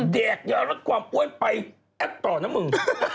แดกอย่างรสความอ่วนไปแอ๊บตอน่ะมึง